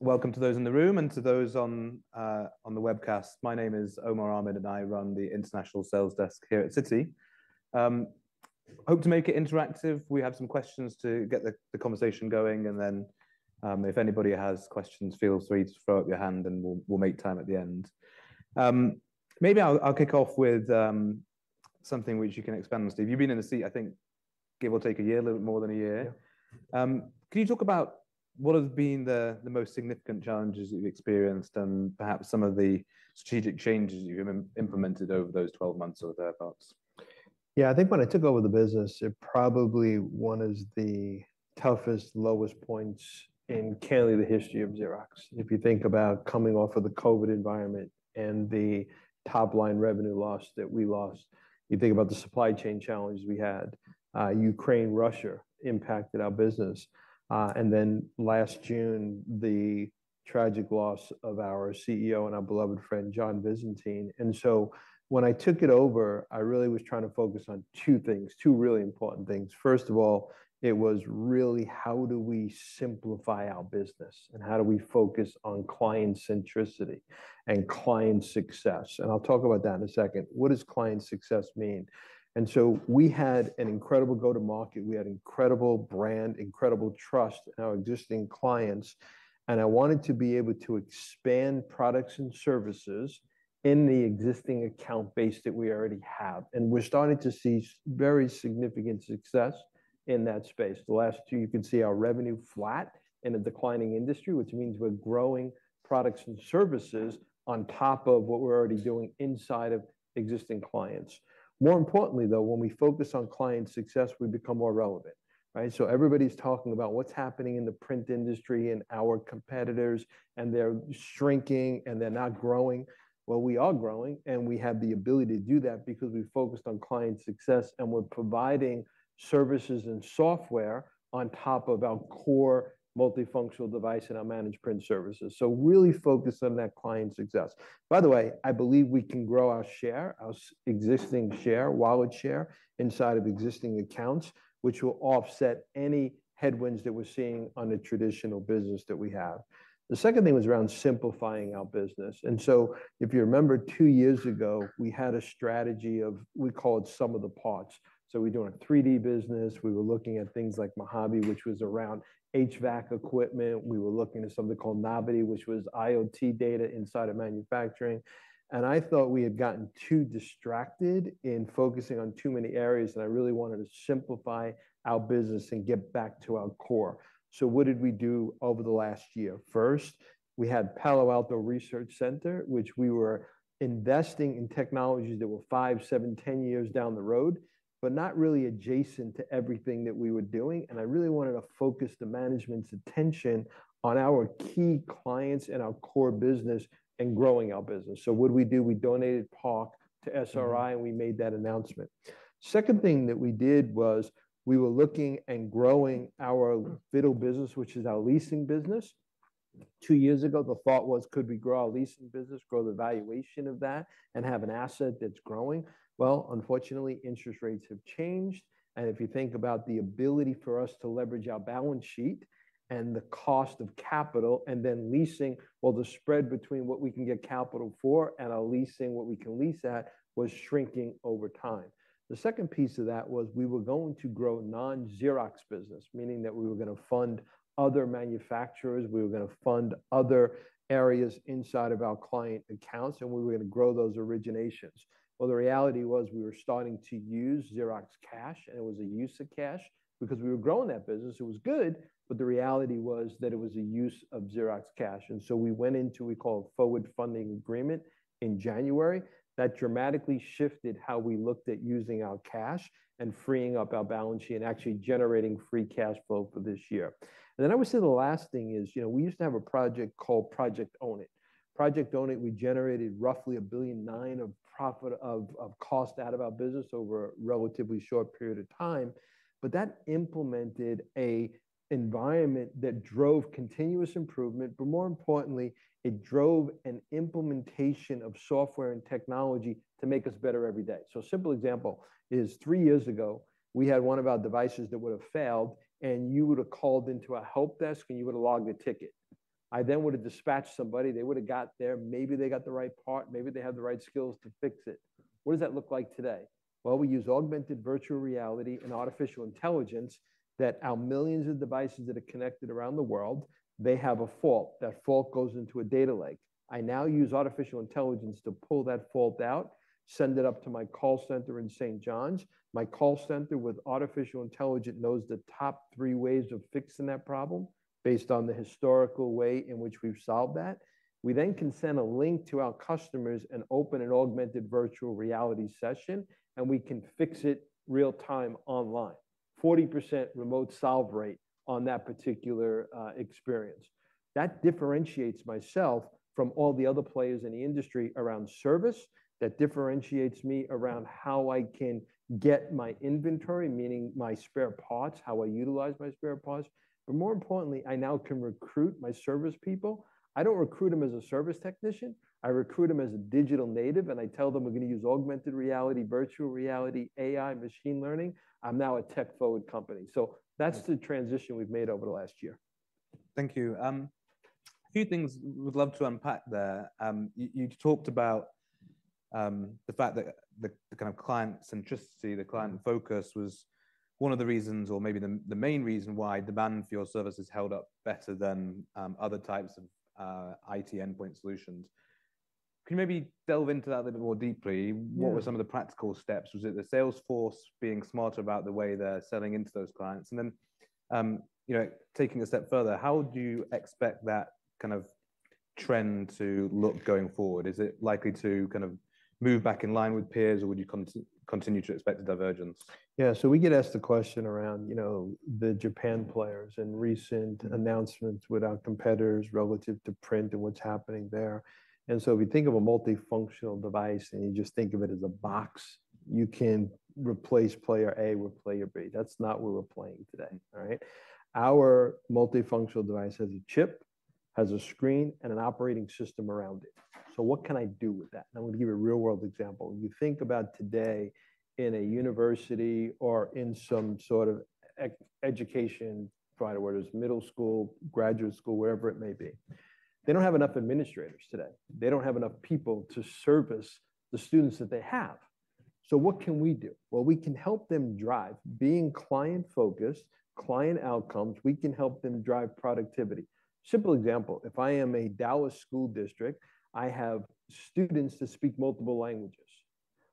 Welcome to those in the room and to those on the webcast. My name is Omer Ahmed, and I run the international sales desk here at Citi. Hope to make it interactive. We have some questions to get the conversation going, and then, if anybody has questions, feel free to throw up your hand and we'll make time at the end. Maybe I'll kick off with something which you can expand on, Steve. You've been in the seat, I think, give or take a year, a little more than a year. Yeah. Can you talk about what have been the most significant challenges you've experienced and perhaps some of the strategic changes you've implemented over those 12 months or thereabouts? Yeah, I think when I took over the business, it probably one is the toughest, lowest points in clearly the history of Xerox. If you think about coming off of the COVID environment and the top-line revenue loss that we lost, you think about the supply chain challenges we had, Ukraine, Russia impacted our business. And then last June, the tragic loss of our CEO and our beloved friend, John Visentin. And so when I took it over, I really was trying to focus on two things, two really important things. First of all, it was really, how do we simplify our business? And how do we focus on client centricity and client success? And I'll talk about that in a second. What does client success mean? And so we had an incredible go-to-market. We had incredible brand, incredible trust in our existing clients, and I wanted to be able to expand products and services in the existing account base that we already have. We're starting to see very significant success in that space. The last two, you can see our revenue flat in a declining industry, which means we're growing products and services on top of what we're already doing inside of existing clients. More importantly, though, when we focus on client success, we become more relevant, right? Everybody's talking about what's happening in the print industry and our competitors, and they're shrinking, and they're not growing. Well, we are growing, and we have the ability to do that because we focused on client success, and we're providing services and software on top of our core multifunctional device and our managed print services. Really focus on that client success. By the way, I believe we can grow our share, our existing share, wallet share, inside of existing accounts, which will offset any headwinds that we're seeing on the traditional business that we have. The second thing was around simplifying our business, and so if you remember two years ago, we had a strategy of we called sum of the parts. So we're doing a 3D business. We were looking at things like Mojave, which was around HVAC equipment. We were looking at something called Novity, which was IoT data inside of manufacturing. And I thought we had gotten too distracted in focusing on too many areas, and I really wanted to simplify our business and get back to our core. So what did we do over the last year? First, we had Palo Alto Research Center, which we were investing in technologies that were 5, 7, 10 years down the road, but not really adjacent to everything that we were doing. I really wanted to focus the management's attention on our key clients and our core business and growing our business. What did we do? We donated PARC to SRI, and we made that announcement. Second thing that we did was we were looking and growing our FITTLE business, which is our leasing business. Two years ago, the thought was, could we grow our leasing business, grow the valuation of that, and have an asset that's growing? Well, unfortunately, interest rates have changed, and if you think about the ability for us to leverage our balance sheet and the cost of capital and then leasing, well, the spread between what we can get capital for and our leasing, what we can lease at, was shrinking over time. The second piece of that was we were going to grow non-Xerox business, meaning that we were going to fund other manufacturers, we were going to fund other areas inside of our client accounts, and we were going to grow those originations. Well, the reality was we were starting to use Xerox cash, and it was a use of cash because we were growing that business. It was good, but the reality was that it was a use of Xerox cash, and so we went into we call forward funding agreement in January. That dramatically shifted how we looked at using our cash and freeing up our balance sheet and actually generating free cash flow for this year. And then I would say the last thing is, you know, we used to have a project called Project Own It. Project Own It, we generated roughly $1.9 billion of cost out of our business over a relatively short period of time, but that implemented an environment that drove continuous improvement, but more importantly, it drove an implementation of software and technology to make us better every day. So a simple example is, three years ago, we had one of our devices that would have failed, and you would have called into a help desk, and you would have logged a ticket. I then would have dispatched somebody, they would have got there, maybe they got the right part, maybe they had the right skills to fix it. What does that look like today? Well, we use augmented virtual reality and artificial intelligence that our millions of devices that are connected around the world, they have a fault. That fault goes into a data lake. I now use artificial intelligence to pull that fault out, send it up to my call center in St. John's. My call center, with artificial intelligence, knows the top three ways of fixing that problem based on the historical way in which we've solved that. We then can send a link to our customers and open an augmented virtual reality session, and we can fix it real time online. 40% remote solve rate on that particular experience. That differentiates myself from all the other players in the industry around service. That differentiates me around how I can get my inventory, meaning my spare parts, how I utilize my spare parts, but more importantly, I now can recruit my service people. I don't recruit them as a service technician. I recruit them as a digital native, and I tell them: We're going to use augmented reality, virtual reality, AI, machine learning. I'm now a tech-forward company. So that's the transition we've made over the last year. Thank you. A few things we'd love to unpack there. You talked about the fact that the kind of client centricity, the client focus was one of the reasons or maybe the main reason why demand for your services held up better than other types of IT endpoint solutions. Can you maybe delve into that a little bit more deeply? Yeah. What were some of the practical steps? Was it the sales force being smarter about the way they're selling into those clients? And then, you know, taking a step further, how do you expect that kind of trend to look going forward? Is it likely to kind of move back in line with peers, or would you continue to expect a divergence? Yeah, so we get asked the question around, you know, the Japan players and recent announcements with our competitors relative to print and what's happening there. And so if you think of a multifunctional device, and you just think of it as a box, you can replace player A with player B. That's not where we're playing today, all right? Our multifunctional device has a chip, has a screen, and an operating system around it. So what can I do with that? And I'm gonna give you a real-world example. You think about today in a university or in some sort of e-education provider, whether it's middle school, graduate school, wherever it may be. They don't have enough administrators today. They don't have enough people to service the students that they have. So what can we do? Well, we can help them drive, being client-focused, client outcomes, we can help them drive productivity. Simple example, if I am a Dallas school district, I have students that speak multiple languages.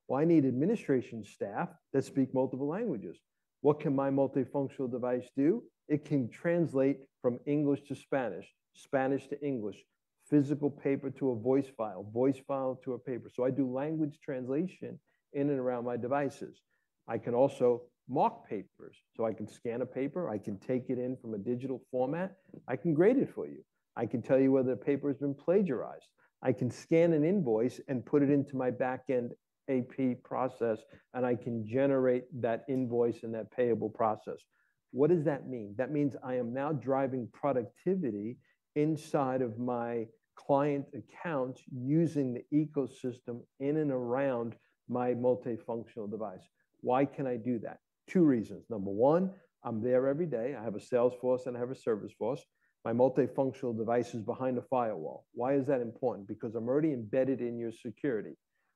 Well, I need administration staff that speak multiple languages. What can my multifunctional device do? It can translate from English to Spanish, Spanish to English, physical paper to a voice file, voice file to a paper. So I do language translation in and around my devices. I can also mark papers. So I can scan a paper, I can take it in from a digital format, I can grade it for you. I can tell you whether a paper has been plagiarized. I can scan an invoice and put it into my back-end AP process, and I can generate that invoice and that payable process. What does that mean? That means I am now driving productivity inside of my client accounts using the ecosystem in and around my multifunctional device. Why can I do that? Two reasons: number one, I'm there every day. I have a sales force, and I have a service force. My multifunctional device is behind a firewall. Why is that important? Because I'm already embedded in your security.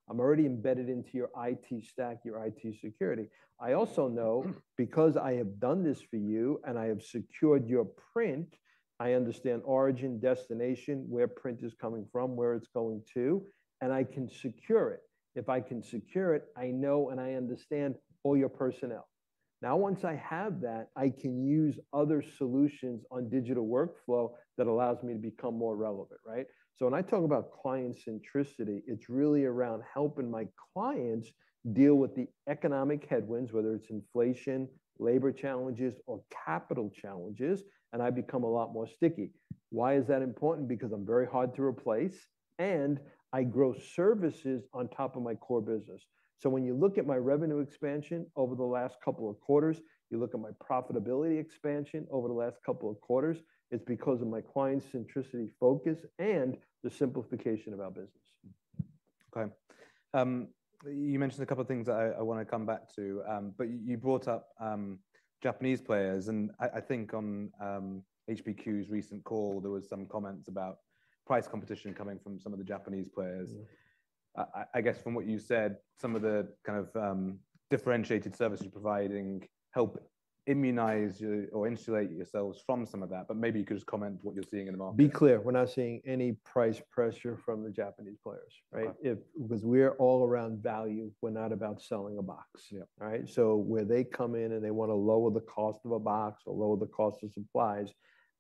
I'm already embedded into your IT stack, your IT security. I also know because I have done this for you, and I have secured your print, I understand origin, destination, where print is coming from, where it's going to, and I can secure it. If I can secure it, I know and I understand all your personnel. Now, once I have that, I can use other solutions on digital workflow that allows me to become more relevant, right? So when I talk about client centricity, it's really around helping my clients deal with the economic headwinds, whether it's inflation, labor challenges, or capital challenges, and I become a lot more sticky. Why is that important? Because I'm very hard to replace, and I grow services on top of my core business. So when you look at my revenue expansion over the last couple of quarters, you look at my profitability expansion over the last couple of quarters, it's because of my client centricity focus and the simplification of our business. Okay. You mentioned a couple of things I want to come back to, but you brought up Japanese players, and I think on HPQ's recent call, there was some comments about price competition coming from some of the Japanese players. Mm. I guess from what you said, some of the kind of differentiated services providing help immunize you or insulate yourselves from some of that, but maybe you could just comment what you're seeing in the market. Be clear, we're not seeing any price pressure from the Japanese players, right? Okay. Because we're all around value, we're not about selling a box. Yeah. Right? So where they come in, and they want to lower the cost of a box or lower the cost of supplies,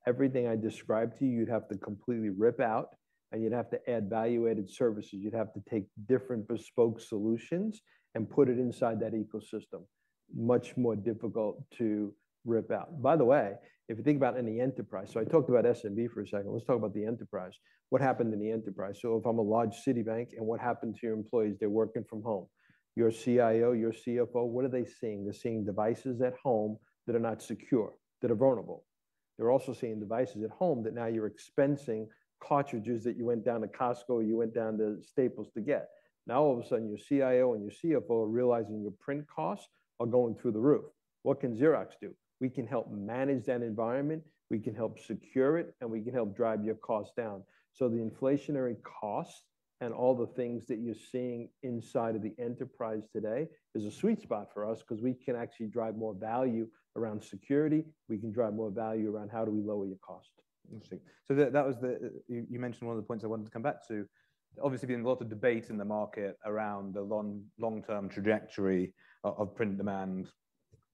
everything I described to you, you'd have to completely rip out, and you'd have to add value-added services. You'd have to take different bespoke solutions and put it inside that ecosystem. Much more difficult to rip out. By the way, if you think about in the enterprise... So I talked about SMB for a second. Let's talk about the enterprise. What happened in the enterprise? So if I'm a large Citi, and what happened to your employees? They're working from home. Your CIO, your CFO, what are they seeing? They're seeing devices at home that are not secure, that are vulnerable. They're also seeing devices at home that now you're expensing cartridges that you went down to Costco, or you went down to Staples to get. Now, all of a sudden, your CIO and your CFO are realizing your print costs are going through the roof. What can Xerox do? We can help manage that environment, we can help secure it, and we can help drive your costs down. So the inflationary costs and all the things that you're seeing inside of the enterprise today is a sweet spot for us cause we can actually drive more value around security. We can drive more value around how do we lower your cost. I see. So that was the— you mentioned one of the points I wanted to come back to. Obviously, been a lot of debate in the market around the long-term trajectory of print demand,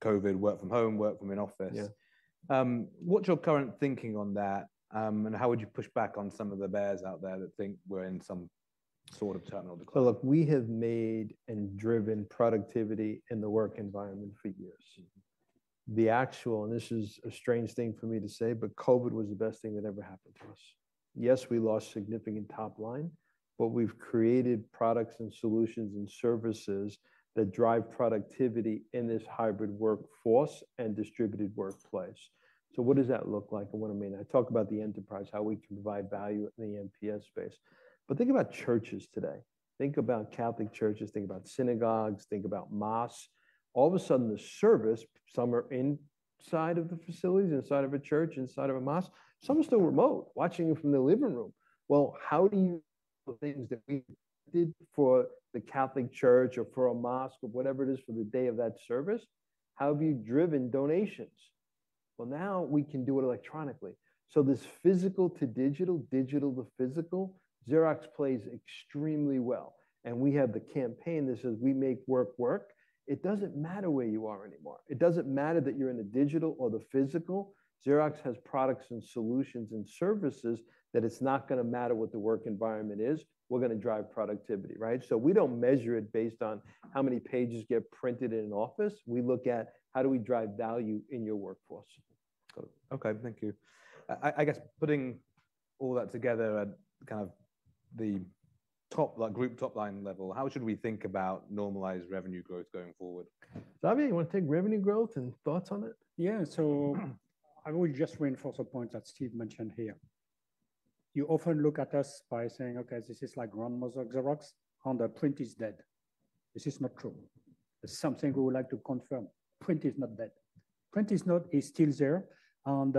COVID, work from home, work from in office. Yeah. What's your current thinking on that, and how would you push back on some of the bears out there that think we're in some sort of terminal decline? So look, we have made and driven productivity in the work environment for years. Mm-hmm. Actually, and this is a strange thing for me to say, but COVID was the best thing that ever happened to us. Yes, we lost significant top line, but we've created products and solutions and services that drive productivity in this hybrid workforce and distributed workplace. So what does that look like, and what I mean? I talk about the enterprise, how we can provide value in the MPS space. But think about churches today. Think about Catholic churches, think about synagogues, think about mosques. All of a sudden, the service, some are inside of the facilities, inside of a church, inside of a mosque, some are still remote, watching you from their living room. Well, how do you... the things that we did for the Catholic Church or for a mosque or whatever it is for the day of that service? How have you driven donations? Well, now we can do it electronically. So this physical to digital, digital to physical, Xerox plays extremely well, and we have the campaign that says, "We make work, work." It doesn't matter where you are anymore. It doesn't matter that you're in the digital or the physical. Xerox has products and solutions and services that it's not going to matter what the work environment is, we're going to drive productivity, right? So we don't measure it based on how many pages get printed in an office. We look at how do we drive value in your workforce. Okay, thank you. I guess putting all that together at kind of the top, like, group top line level, how should we think about normalized revenue growth going forward? Xavier, you want to take revenue growth and thoughts on it? Yeah, I will just reinforce a point that Steve mentioned here. You often look at us by saying, "Okay, this is like grandmother Xerox, and the print is dead." This is not true. It's something we would like to confirm. Print is not dead. Print is still there, and,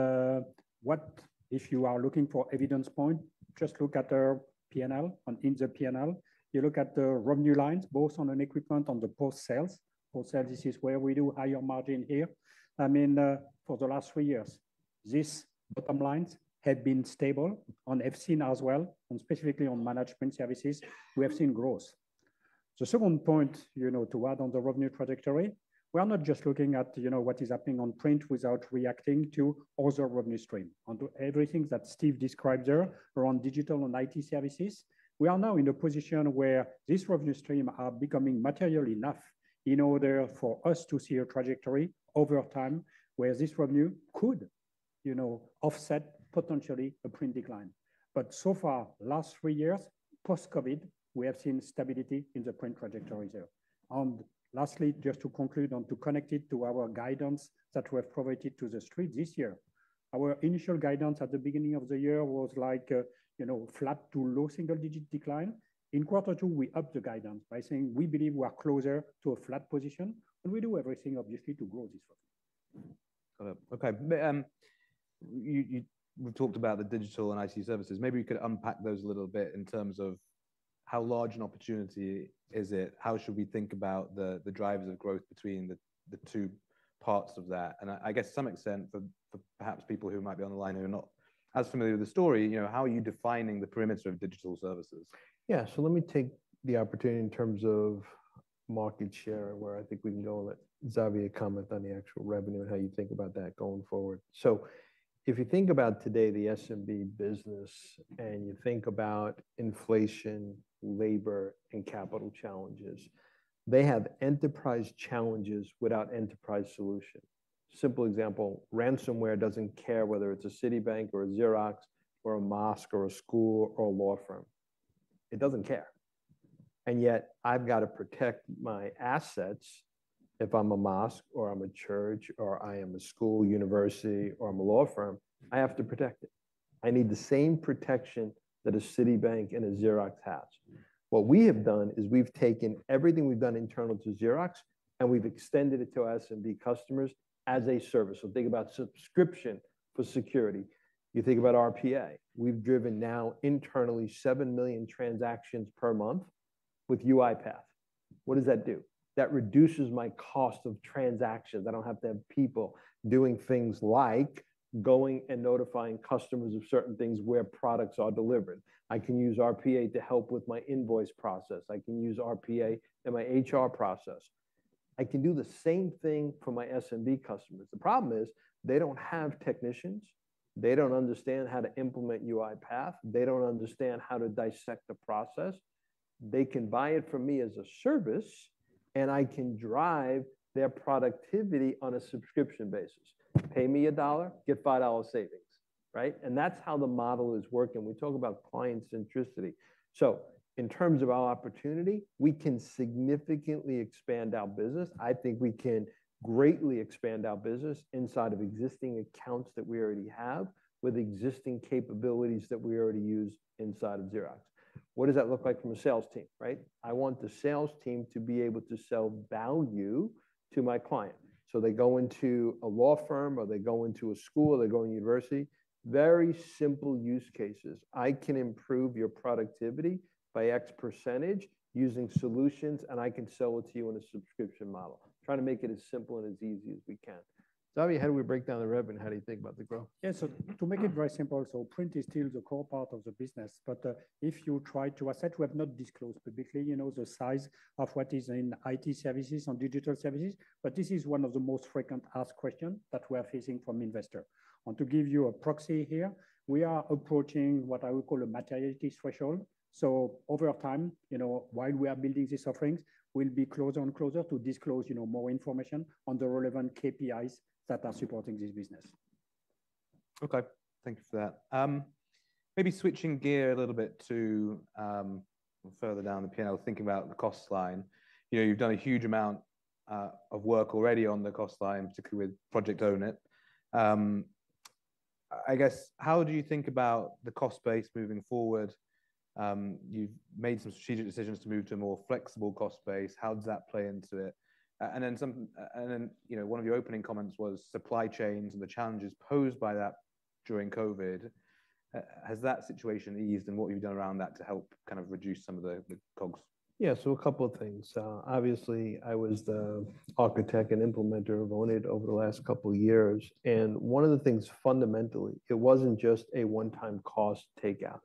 what— If you are looking for evidence point, just look at our P&L, in the P&L. You look at the revenue lines, both on equipment, on the post-sales. Post-sales, this is where we do higher margin here. I mean, for the last three years, these bottom lines have been stable on FCF now as well, and specifically on management services, we have seen growth. The second point, you know, to add on the revenue trajectory, we are not just looking at, you know, what is happening on print without reacting to other revenue stream, on to everything that Steve described there around digital and IT services. We are now in a position where this revenue stream are becoming material enough in order for us to see a trajectory over time, where this revenue could, you know, offset potentially a print decline. But so far, last three years, post-COVID, we have seen stability in the print trajectory there. And lastly, just to conclude and to connect it to our guidance that we have provided to the street this year, our initial guidance at the beginning of the year was like, you know, flat to low single-digit decline. In quarter two, we upped the guidance by saying we believe we are closer to a flat position, and we do everything, obviously, to grow this revenue. Got it. Okay, you've talked about the digital and IT services. Maybe you could unpack those a little bit in terms of how large an opportunity is it? How should we think about the drivers of growth between the two parts of that? And I guess to some extent, for perhaps people who might be on the line who are not as familiar with the story, you know, how are you defining the perimeter of digital services? Yeah, so let me take the opportunity in terms of market share, where I think we can go and let Xavier comment on the actual revenue and how you think about that going forward. So if you think about today, the SMB business, and you think about inflation, labor, and capital challenges, they have enterprise challenges without enterprise solution. Simple example, ransomware doesn't care whether it's a Citibank or a Xerox or a mosque or a school or a law firm. It doesn't care. And yet, I've got to protect my assets if I'm a mosque or I'm a church, or I am a school, university, or I'm a law firm, I have to protect it. I need the same protection that a Citibank and a Xerox has. What we have done is we've taken everything we've done internal to Xerox, and we've extended it to SMB customers as a service. So think about subscription for security. You think about RPA. We've driven now internally 7 million transactions per month with UiPath. What does that do? That reduces my cost of transactions. I don't have to have people doing things like going and notifying customers of certain things where products are delivered. I can use RPA to help with my invoice process. I can use RPA in my HR process. I can do the same thing for my SMB customers. The problem is, they don't have technicians. They don't understand how to implement UiPath. They don't understand how to dissect the process. They can buy it from me as a service, and I can drive their productivity on a subscription basis. Pay me $1, get $5 savings, right? And that's how the model is working. We talk about client centricity. So in terms of our opportunity, we can significantly expand our business. I think we can greatly expand our business inside of existing accounts that we already have, with existing capabilities that we already use inside of Xerox. What does that look like from a sales team, right? I want the sales team to be able to sell value to my client. So they go into a law firm, or they go into a school, or they go in university. Very simple use cases. I can improve your productivity by X percentage using solutions, and I can sell it to you on a subscription model. Try to make it as simple and as easy as we can. Xavier, how do we break down the revenue, and how do you think about the growth? Yeah, so to make it very simple, so print is still the core part of the business, but if you try to assess, we have not disclosed publicly, you know, the size of what is in IT services and digital services, but this is one of the most frequently asked questions that we are facing from investors. And to give you a proxy here, we are approaching what I would call a materiality threshold. So over time, you know, while we are building these offerings, we'll be closer and closer to disclose, you know, more information on the relevant KPIs that are supporting this business. Okay, thank you for that. Maybe switching gear a little bit to further down the P&L, thinking about the cost line. You know, you've done a huge amount of work already on the cost line, particularly with Project Own It. I guess, how do you think about the cost base moving forward? You've made some strategic decisions to move to a more flexible cost base. How does that play into it? And then, you know, one of your opening comments was supply chains and the challenges posed by that during COVID. Has that situation eased, and what have you done around that to help kind of reduce some of the COGS? Yeah, so a couple of things. Obviously, I was the architect and implementer of "Own It" over the last couple of years, and one of the things, fundamentally, it wasn't just a one-time cost takeout.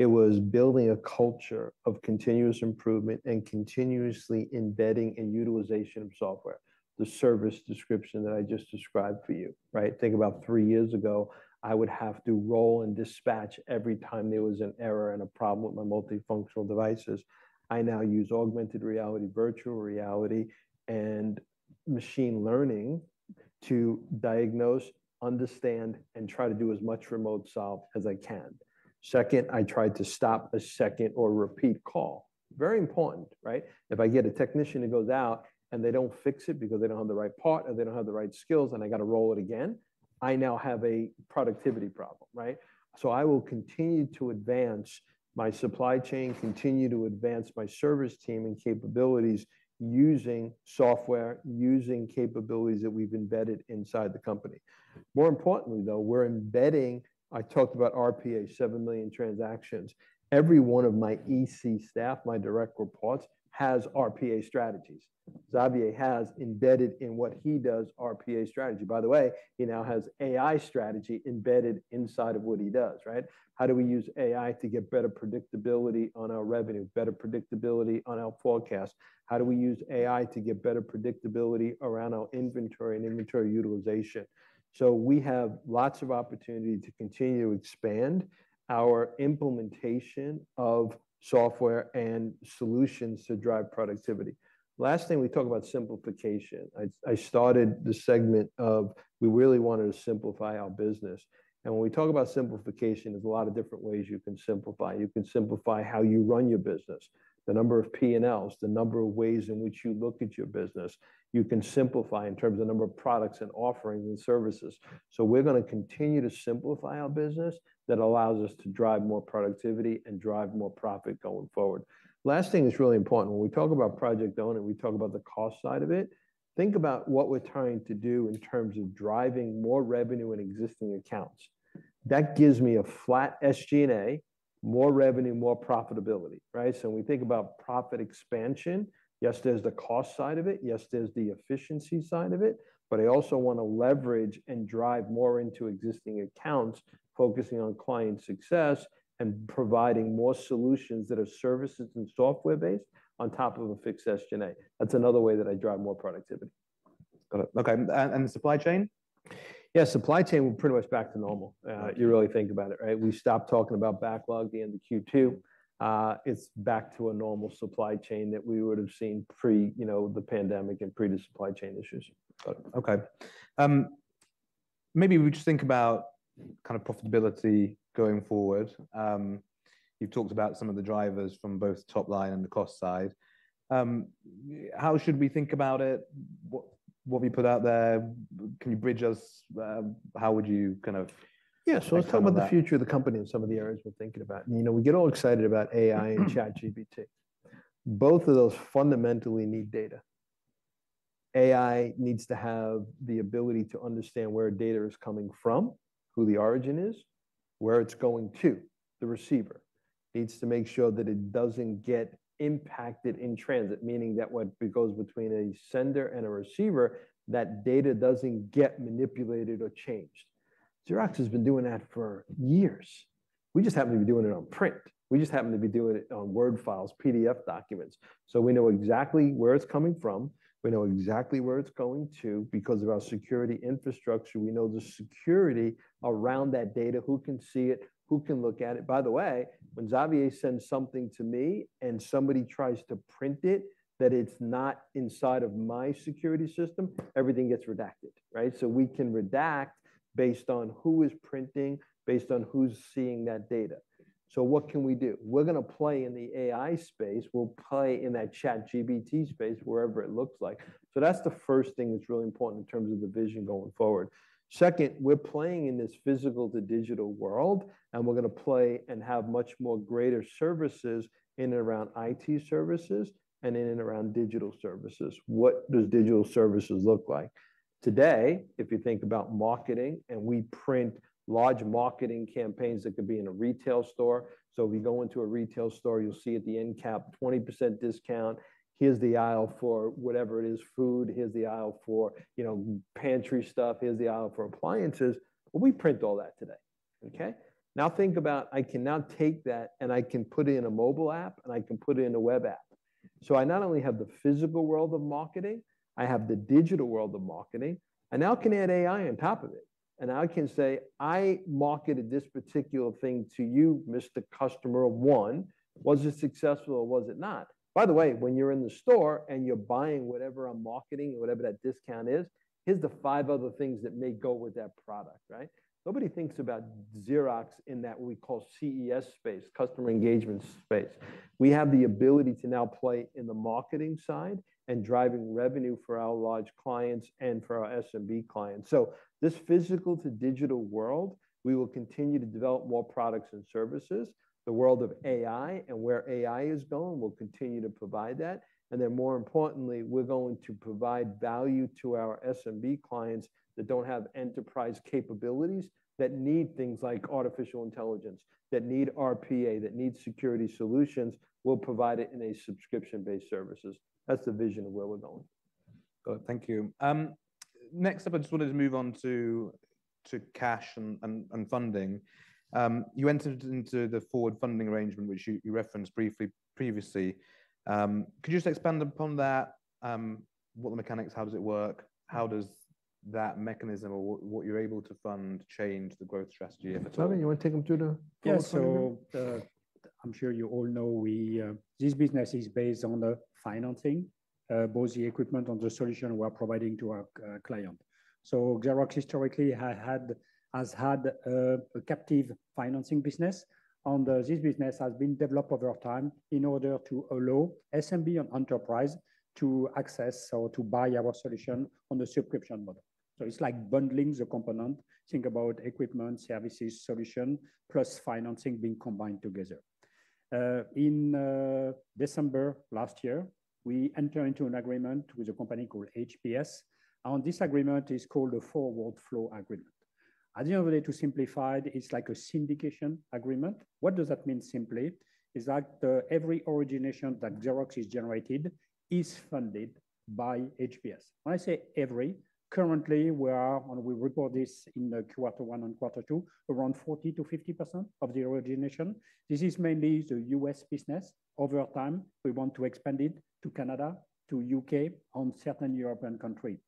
It was building a culture of continuous improvement and continuously embedding and utilization of software, the service description that I just described for you, right? Think about three years ago, I would have to roll and dispatch every time there was an error and a problem with my multifunctional devices. I now use augmented reality, virtual reality, and machine learning to diagnose, understand, and try to do as much remote solve as I can. Second, I tried to stop a second or repeat call. Very important, right? If I get a technician that goes out, and they don't fix it because they don't have the right part, or they don't have the right skills, and I got to roll it again, I now have a productivity problem, right? So I will continue to advance my supply chain, continue to advance my service team and capabilities using software, using capabilities that we've embedded inside the company. More importantly, though, we're embedding... I talked about RPA, 7 million transactions. Every one of my EC staff, my direct reports, has RPA strategies. Xavier has embedded in what he does, RPA strategy. By the way, he now has AI strategy embedded inside of what he does, right? How do we use AI to get better predictability on our revenue, better predictability on our forecast? How do we use AI to get better predictability around our inventory and inventory utilization? So we have lots of opportunity to continue to expand our implementation of software and solutions to drive productivity. Last thing, we talk about simplification. I, I started this segment of we really wanted to simplify our business, and when we talk about simplification, there's a lot of different ways you can simplify. You can simplify how you run your business, the number of P&Ls, the number of ways in which you look at your business. You can simplify in terms of the number of products and offerings and services. So we're going to continue to simplify our business that allows us to drive more productivity and drive more profit going forward. Last thing is really important. When we talk about Project Own It, we talk about the cost side of it. Think about what we're trying to do in terms of driving more revenue in existing accounts. That gives me a flat SG&A, more revenue, more profitability, right? So when we think about profit expansion, yes, there's the cost side of it, yes, there's the efficiency side of it, but I also want to leverage and drive more into existing accounts, focusing on client success and providing more solutions that are services and software-based on top of a fixed SG&A. That's another way that I drive more productivity. Got it. Okay, and the supply chain? Yeah, supply chain, we're pretty much back to normal, you really think about it, right? We stopped talking about backlog the end of Q2. It's back to a normal supply chain that we would have seen pre, you know, the pandemic and pre the supply chain issues. Okay. Maybe we just think about kind of profitability going forward. You've talked about some of the drivers from both top line and the cost side. How should we think about it? What we put out there, can you bridge us, how would you kind of- Yeah, so I'll talk about the future of the company and some of the areas we're thinking about. You know, we get all excited about AI and ChatGPT. Both of those fundamentally need data. AI needs to have the ability to understand where data is coming from, who the origin is, where it's going to, the receiver. Needs to make sure that it doesn't get impacted in transit, meaning that when it goes between a sender and a receiver, that data doesn't get manipulated or changed. Xerox has been doing that for years. We just happen to be doing it on print. We just happen to be doing it on Word files, PDF documents, so we know exactly where it's coming from. We know exactly where it's going to because of our security infrastructure. We know the security around that data, who can see it, who can look at it. By the way, when Xavier sends something to me, and somebody tries to print it, that it's not inside of my security system, everything gets redacted, right? So we can redact based on who is printing, based on who's seeing that data. So what can we do? We're going to play in the AI space. We'll play in that ChatGPT space, wherever it looks like. So that's the first thing that's really important in terms of the vision going forward. Second, we're playing in this physical to digital world, and we're going to play and have much more greater services in and around IT services and in and around digital services. What does digital services look like? Today, if you think about marketing, and we print large marketing campaigns that could be in a retail store. So if you go into a retail store, you'll see at the end cap, 20% discount, here's the aisle for whatever it is, food, here's the aisle for, you know, pantry stuff, here's the aisle for appliances. We print all that today, okay? Now, think about, I can now take that, and I can put it in a mobile app, and I can put it in a web app. So I not only have the physical world of marketing, I have the digital world of marketing, I now can add AI on top of it, and I can say, "I marketed this particular thing to you, Mr. Customer one. Was it successful or was it not? By the way, when you're in the store, and you're buying whatever I'm marketing or whatever that discount is, here's the five other things that may go with that product," right? Nobody thinks about Xerox in that what we call CES space, customer engagement space. We have the ability to now play in the marketing side and driving revenue for our large clients and for our SMB clients. So this physical to digital world, we will continue to develop more products and services. The world of AI and where AI is going, we'll continue to provide that, and then, more importantly, we're going to provide value to our SMB clients that don't have enterprise capabilities, that need things like artificial intelligence, that need RPA, that need security solutions. We'll provide it in a subscription-based services. That's the vision of where we're going.... Got it. Thank you. Next up, I just wanted to move on to cash and funding. You entered into the forward funding arrangement, which you referenced briefly previously. Could you just expand upon that? What are the mechanics? How does it work? How does that mechanism or what you're able to fund change the growth strategy, if at all? [Xavier] you want to take them through the- Yeah, so, I'm sure you all know we, this business is based on the financing, both the equipment and the solution we are providing to our client. So Xerox historically has had a captive financing business, and this business has been developed over time in order to allow SMB and enterprise to access or to buy our solution on a subscription model. So it's like bundling the component. Think about equipment, services, solution, plus financing being combined together. In December last year, we entered into an agreement with a company called HPS, and this agreement is called a forward flow agreement. At the end of the day, to simplify it, it's like a syndication agreement. What does that mean simply? Is that every origination that Xerox has generated is funded by HPS. When I say every, currently we are, and we report this in the quarter one and quarter two, around 40%-50% of the origination. This is mainly the U.S. business. Over time, we want to expand it to Canada, to U.K., and certain European country.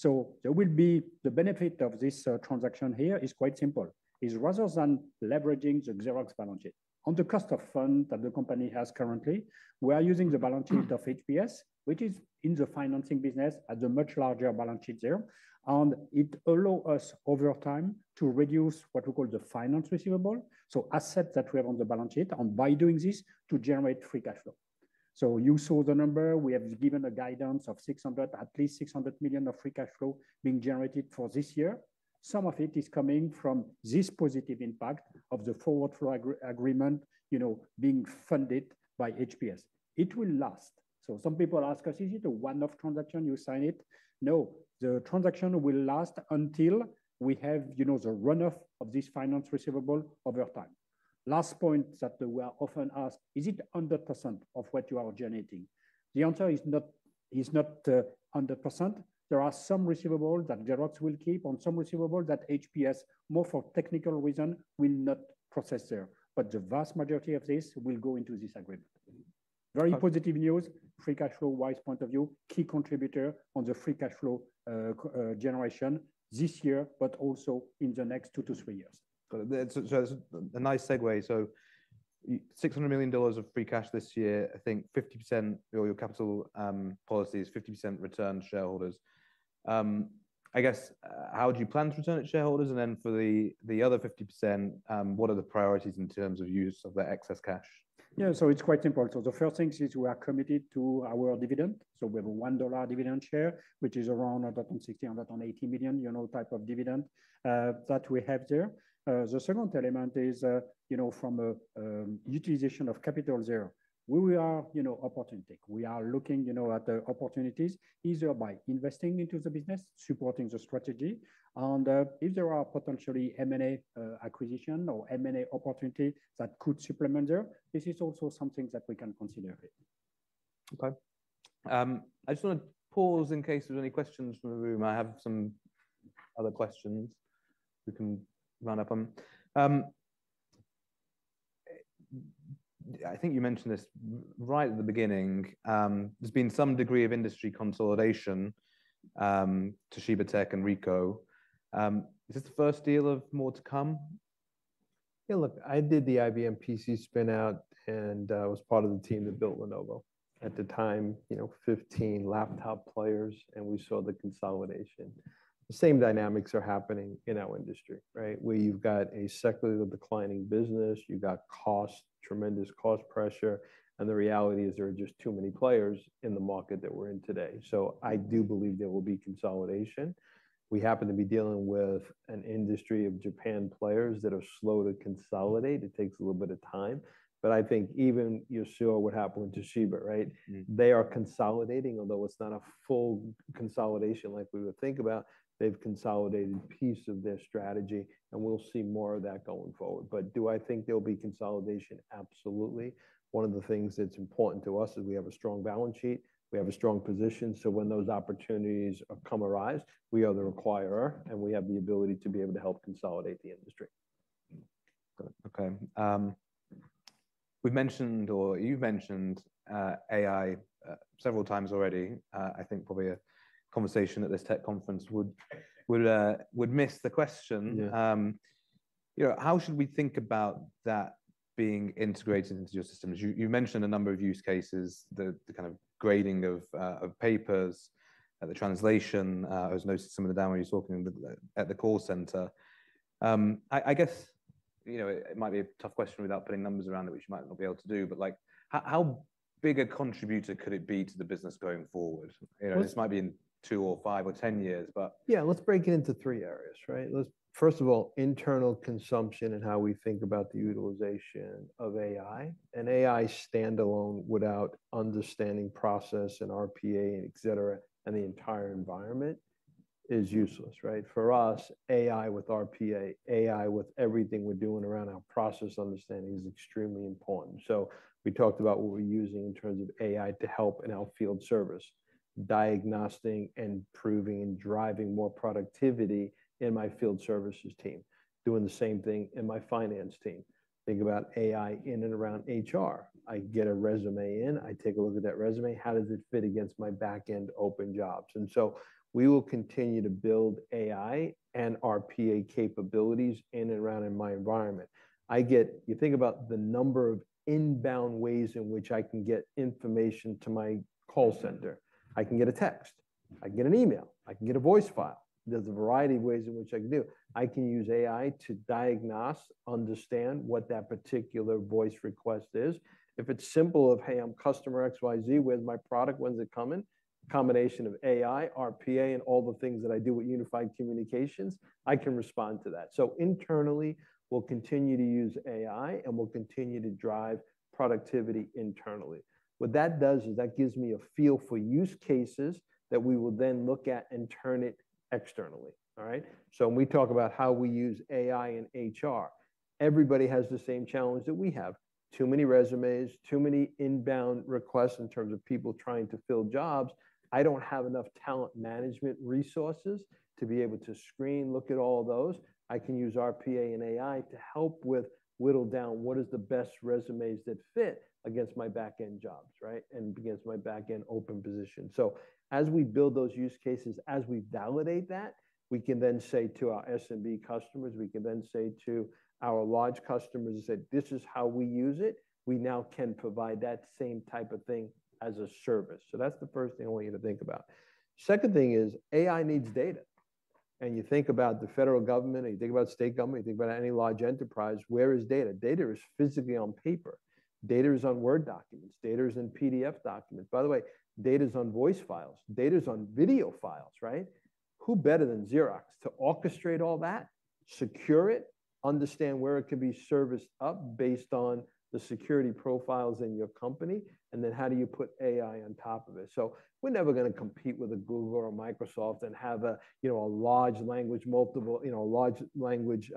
So there will be the benefit of this transaction here is quite simple. Is rather than leveraging the Xerox balance sheet on the cost of fund that the company has currently, we are using the balance sheet of HPS, which is in the financing business, has a much larger balance sheet there. And it allow us over time to reduce what we call the finance receivable, so asset that we have on the balance sheet, and by doing this, to generate free cash flow. So you saw the number. We have given a guidance of $600 million, at least $600 million of free cash flow being generated for this year. Some of it is coming from this positive impact of the forward flow agreement, you know, being funded by HPS. It will last. So some people ask us: "Is it a one-off transaction, you sign it?" No, the transaction will last until we have, you know, the run-off of this finance receivable over time. Last point that we are often asked: "Is it 100% of what you are generating?" The answer is not, is not, 100%. There are some receivables that Xerox will keep and some receivables that HPS, more for technical reason, will not process there, but the vast majority of this will go into this agreement. Very positive news, free cash flow-wise point of view, key contributor on the free cash flow generation this year, but also in the next two-three years. Got it. So, so that's a nice segue. So $600 million of free cash this year, I think 50% of your capital policy is 50% return to shareholders. I guess, how do you plan to return it to shareholders? And then for the, the other 50%, what are the priorities in terms of use of that excess cash? Yeah, so it's quite simple. So the first thing is we are committed to our dividend, so we have a $1 dividend share, which is around $160-$180 million, you know, type of dividend that we have there. The second element is, you know, from a utilization of capital there. We are, you know, opportunistic. We are looking, you know, at the opportunities, either by investing into the business, supporting the strategy, and if there are potentially M&A, acquisition or M&A opportunity that could supplement there, this is also something that we can consider it. Okay. I just want to pause in case there are any questions from the room. I have some other questions we can run up on. I think you mentioned this right at the beginning. There's been some degree of industry consolidation, Toshiba Tec and Ricoh. Is this the first deal of more to come? Yeah, look, I did the IBM PC spin-out, and I was part of the team that built Lenovo. At the time, you know, 15 laptop players, and we saw the consolidation. The same dynamics are happening in our industry, right? Where you've got a secular declining business, you've got cost, tremendous cost pressure, and the reality is there are just too many players in the market that we're in today. So I do believe there will be consolidation. We happen to be dealing with an industry of Japan players that are slow to consolidate. It takes a little bit of time, but I think even you saw what happened with Toshiba, right? Mm. They are consolidating, although it's not a full consolidation like we would think about. They've consolidated piece of their strategy, and we'll see more of that going forward. But do I think there'll be consolidation? Absolutely. One of the things that's important to us is we have a strong balance sheet, we have a strong position, so when those opportunities come arise, we are the acquirer, and we have the ability to be able to help consolidate the industry. Mm. Good. Okay, we've mentioned or you've mentioned AI several times already. I think probably a conversation at this tech conference would miss the question. Yeah. You know, how should we think about that being integrated into your systems? You've mentioned a number of use cases, the kind of grading of papers, the translation. I was noticing some of the demo you were talking at the call center. I guess, you know, it might be a tough question without putting numbers around it, which you might not be able to do, but like, how big a contributor could it be to the business going forward? Let- You know, this might be in two or five or 10 years, but... Yeah, let's break it into three areas, right? Let's, first of all, internal consumption and how we think about the utilization of AI, and AI standalone without understanding process and RPA, et cetera, and the entire environment... is useless, right? For us, AI with RPA, AI with everything we're doing around our process understanding is extremely important. So we talked about what we're using in terms of AI to help in our field service, diagnosing, improving, and driving more productivity in my field services team. Doing the same thing in my finance team. Think about AI in and around HR. I get a resume in, I take a look at that resume, how does it fit against my back-end open jobs? And so we will continue to build AI and RPA capabilities in and around in my environment. I get you think about the number of inbound ways in which I can get information to my call center. I can get a text, I can get an email, I can get a voice file. There's a variety of ways in which I can do it. I can use AI to diagnose, understand what that particular voice request is. If it's simple of, "Hey, I'm customer XYZ, where's my product? When's it coming?" Combination of AI, RPA, and all the things that I do with unified communications, I can respond to that. So internally, we'll continue to use AI, and we'll continue to drive productivity internally. What that does is that gives me a feel for use cases that we will then look at and turn it externally. All right? So when we talk about how we use AI in HR, everybody has the same challenge that we have: too many resumes, too many inbound requests in terms of people trying to fill jobs. I don't have enough talent management resources to be able to screen, look at all those. I can use RPA and AI to help with whittle down what is the best resumes that fit against my back-end jobs, right? And against my back-end open position. So as we build those use cases, as we validate that, we can then say to our SMB customers, we can then say to our large customers and say, "This is how we use it." We now can provide that same type of thing as a service. So that's the first thing I want you to think about. Second thing is, AI needs data. And you think about the federal government, and you think about state government, you think about any large enterprise, where is data? Data is physically on paper. Data is on Word documents. Data is in PDF documents. By the way, data's on voice files, data's on video files, right? Who better than Xerox to orchestrate all that, secure it, understand where it could be serviced up based on the security profiles in your company, and then how do you put AI on top of it? So we're never gonna compete with a Google or a Microsoft and have a, you know, a large language model... You know, a large language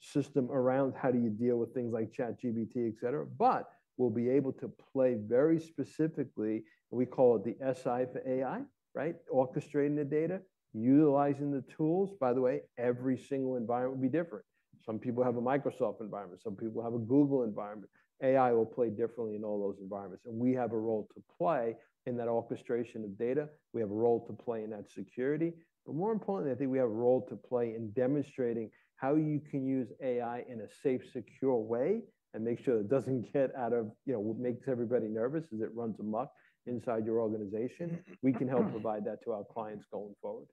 system around how do you deal with things like ChatGPT, et cetera. But we'll be able to play very specifically, we call it the SI for AI, right? Orchestrating the data, utilizing the tools. By the way, every single environment will be different. Some people have a Microsoft environment, some people have a Google environment. AI will play differently in all those environments, and we have a role to play in that orchestration of data. We have a role to play in that security. But more importantly, I think we have a role to play in demonstrating how you can use AI in a safe, secure way and make sure it doesn't get out of... you know, what makes everybody nervous as it runs amok inside your organization. We can help provide that to our clients going forward.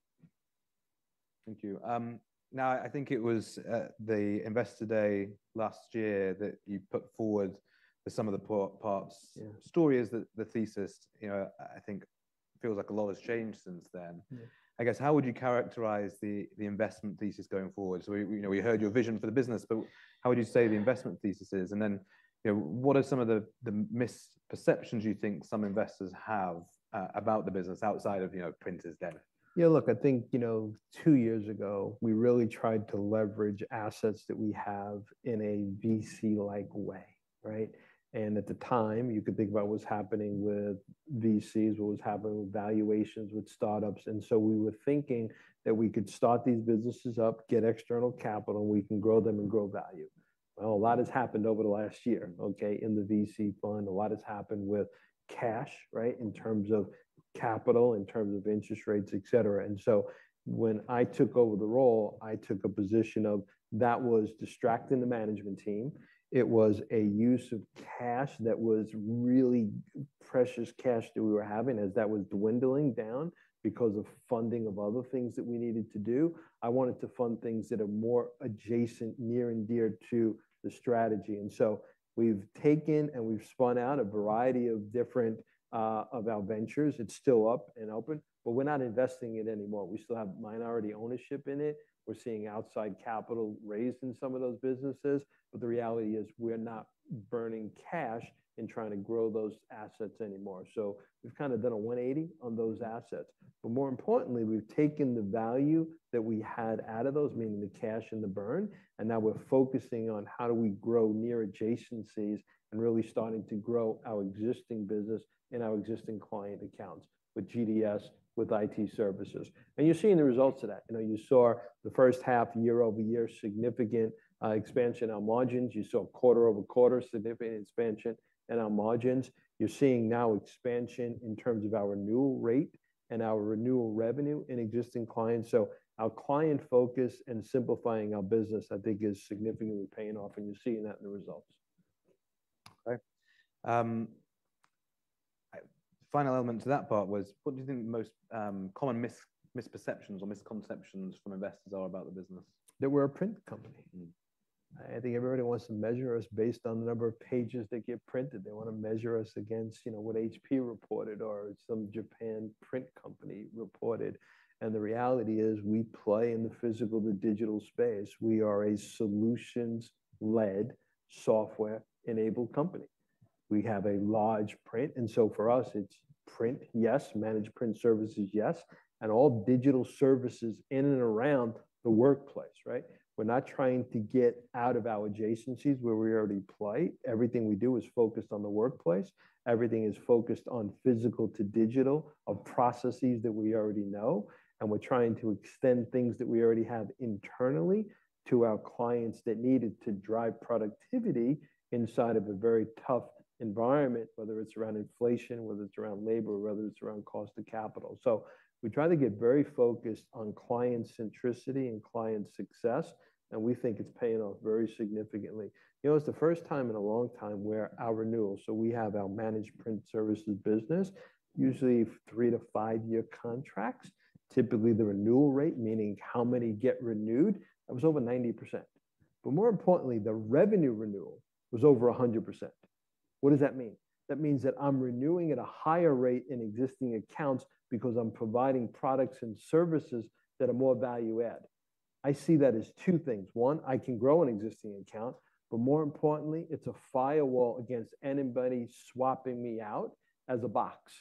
Thank you. Now, I think it was the Investor Day last year that you put forward some of the parts- Yeah. Story is that the thesis, you know, I think feels like a lot has changed since then. Yeah. I guess, how would you characterize the, the investment thesis going forward? So we, you know, we heard your vision for the business, but how would you say the investment thesis is? And then, you know, what are some of the, the misperceptions you think some investors have about the business outside of, you know, printers then? Yeah, look, I think, you know, two years ago, we really tried to leverage assets that we have in a VC-like way, right? And at the time, you could think about what was happening with VCs, what was happening with valuations, with startups, and so we were thinking that we could start these businesses up, get external capital, and we can grow them and grow value. Well, a lot has happened over the last year, okay, in the VC fund. A lot has happened with cash, right? In terms of capital, in terms of interest rates, et cetera. And so when I took over the role, I took a position of that was distracting the management team. It was a use of cash that was really precious cash that we were having, as that was dwindling down because of funding of other things that we needed to do. I wanted to fund things that are more adjacent, near and dear to the strategy. And so we've taken and we've spun out a variety of different, of our ventures. It's still up and open, but we're not investing in it anymore. We still have minority ownership in it. We're seeing outside capital raised in some of those businesses, but the reality is, we're not burning cash and trying to grow those assets anymore. So we've kinda done a one eighty on those assets. But more importantly, we've taken the value that we had out of those, meaning the cash and the burn, and now we're focusing on how do we grow near adjacencies and really starting to grow our existing business and our existing client accounts with GDS, with IT services. And you're seeing the results of that. You know, you saw the first half, year-over-year, significant expansion in our margins. You saw quarter-over-quarter, significant expansion in our margins. You're seeing now expansion in terms of our renewal rate and our renewal revenue in existing clients. So our client focus and simplifying our business, I think, is significantly paying off, and you're seeing that in the results. Okay. Final element to that part was, what do you think the most common misperceptions or misconceptions from investors are about the business? That we're a print company. Mm. I think everybody wants to measure us based on the number of pages that get printed. They wanna measure us against, you know, what HP reported or some Japan print company reported, and the reality is, we play in the physical to digital space. We are a solutions-led, software-enabled company. We have a large print, and so for us, it's print, yes, managed print services, yes, and all digital services in and around the workplace, right? We're not trying to get out of our adjacencies, where we already play. Everything we do is focused on the workplace. Everything is focused on physical to digital, of processes that we already know, and we're trying to extend things that we already have internally to our clients that need it to drive productivity inside of a very tough environment, whether it's around inflation, whether it's around labor, or whether it's around cost of capital. So we try to get very focused on client centricity and client success, and we think it's paying off very significantly. You know, it's the first time in a long time where our renewals... So we have our managed print services business, usually three to five year contracts. Typically, the renewal rate, meaning how many get renewed, that was over 90%. But more importantly, the revenue renewal was over 100%. What does that mean? That means that I'm renewing at a higher rate in existing accounts because I'm providing products and services that are more value add. I see that as two things: One, I can grow an existing account, but more importantly, it's a firewall against anybody swapping me out as a box,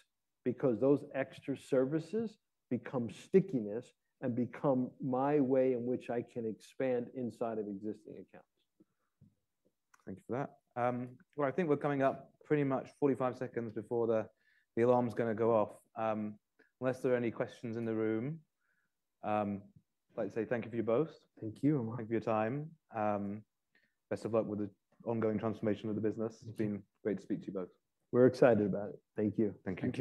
because those extra services become stickiness and become my way in which I can expand inside of existing accounts. Thank you for that. Well, I think we're coming up pretty much 45 seconds before the alarm's gonna go off. Unless there are any questions in the room, I'd like to say thank you to you both. Thank you. Thank you for your time. Best of luck with the ongoing transformation of the business. Thank you. It's been great to speak to you both. We're excited about it. Thank you. Thank you. Thank you.